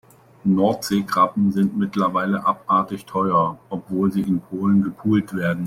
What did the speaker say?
Nordseekrabben sind mittlerweile abartig teuer, obwohl sie in Polen gepult werden.